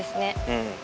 うん。